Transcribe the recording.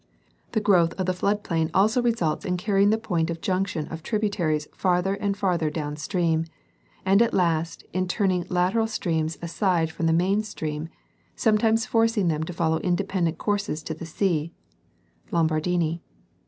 The growth of the flood plain also results in carrying the point of junction of tributaries farther and farther down stream, and at last in turning lateral streams aside from the main stream, some times forcing them to follow independent courses to the sea (Lombardini).